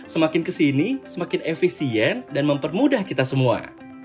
semakin kesini semakin efisien dan mempermudah kita semua